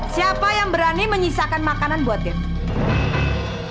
siapa yang berani menyisakan makanan buat tiff